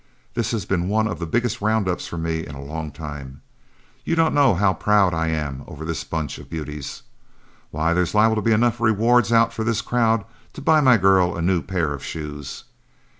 This has been one of the biggest round ups for me in a long time. You don't know how proud I am over this bunch of beauties. Why, there's liable to be enough rewards out for this crowd to buy my girl a new pair of shoes.